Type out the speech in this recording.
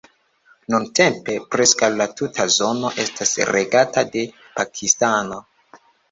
Nuntempe preskaŭ la tuta zono estas regata de Pakistano.